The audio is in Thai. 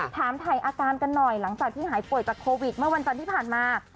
ถามถ่ายอาการกันหน่อยหลังจากที่หายป่วยจากโควิดเมื่อวันจันทร์ที่ผ่านมา